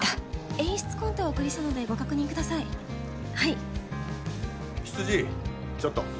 演出コンテをお送りしたのでご確認くださヒツジちょっと。